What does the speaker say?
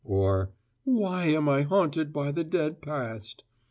or, "Why am I haunted by the dead past?"